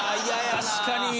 確かに！